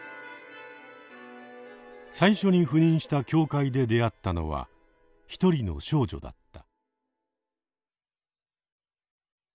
最初に赴任した教会で出会ったのは一人の少女だった。